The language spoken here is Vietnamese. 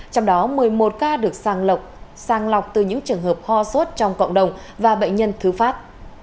trong đó một mươi một ca được sàng lọc sang lọc từ những trường hợp ho sốt trong cộng đồng và bệnh nhân thứ phát